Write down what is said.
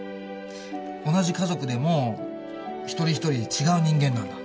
同じ家族でも一人一人違う人間なんだ。